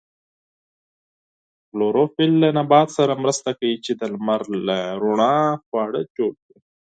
کلوروفیل له نبات سره مرسته کوي چې د لمر له رڼا خواړه جوړ کړي